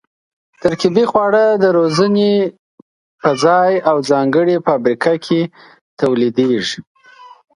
ترکیبي خواړه د روزنې په ځای او ځانګړې فابریکه کې تولیدېږي.